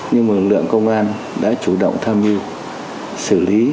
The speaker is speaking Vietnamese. nhưng mà lực lượng công an đã chủ động tham mưu xử lý